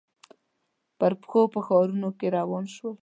پر پښو په ښارنو کې روان شولو.